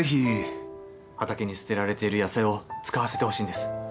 畑に捨てられている野菜を使わせてほしいんです